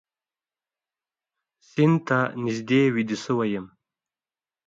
سیند ته نږدې ویده شوی یم